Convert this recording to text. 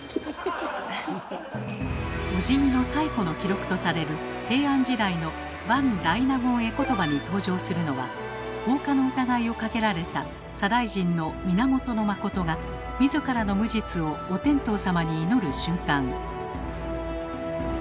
おじぎの最古の記録とされる平安時代の「伴大納言絵詞」に登場するのは放火の疑いをかけられた左大臣の源信が自らの無実をお天道様に祈る瞬間。